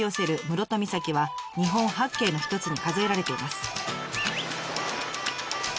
室戸岬は日本八景の一つに数えられています。